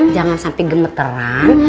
jangan sampe gemeteran